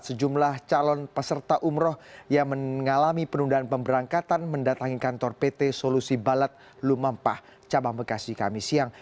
sejumlah calon peserta umroh yang mengalami penundaan pemberangkatan mendatangi kantor pt solusi balat lumampah cabang bekasi kami siang